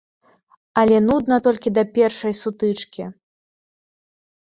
Але нудна толькі да першай сутычкі.